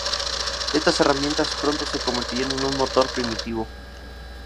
Estas herramientas pronto se convertirían en un motor primitivo.